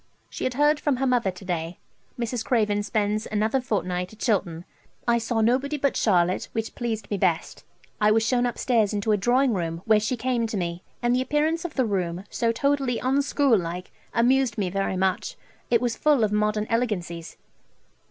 She had heard from her mother to day. Mrs. Craven spends another fortnight at Chilton. I saw nobody but Charlotte, which pleased me best. I was shewn upstairs into a drawing room, where she came to me, and the appearance of the room, so totally unschool like, amused me very much; it was full of modern elegancies.